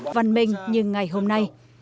văn minh như ngày hôm nay